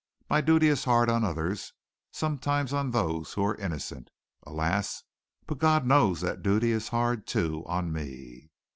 My duty is hard on others sometimes on those who are innocent, alas! But God knows that duty is hard, too, on me."